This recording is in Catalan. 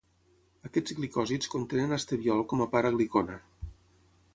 Aquests glicòsids contenen esteviol com a part aglicona.